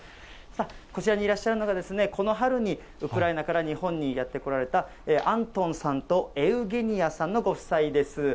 さあ、こちらにいらっしゃるのが、この春にウクライナから日本にやって来られた、アントンさんとエウゲニアさんのご夫妻です。